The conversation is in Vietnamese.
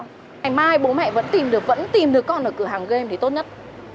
ngày mai bố mẹ vẫn tìm được vẫn tìm đứa con ở cửa hàng game thì tốt nhất